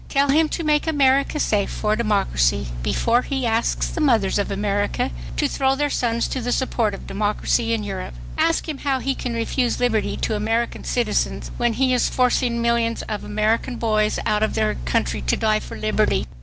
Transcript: TELL HIM TO MAKE AMERICA SAFE FOR DEMOCRACY BEFORE HE ASKS THE MOTHERS OF AMERICA TO THROW THEIR SONS TO THE SUPPORT OF DEMOCRACY IN EUROPE. ASK HIM HOW HE CAN REFUSE LIBERTY TO AMERICAN CITIZENS WHEN HE IS FORCING MILLIONS OF AMERICAN BOYS OUT OF THEIR COUNTRY TO DIE FOR LIBERTY.